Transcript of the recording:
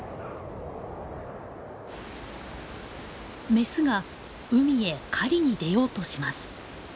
メスが海へ狩りに出ようとします。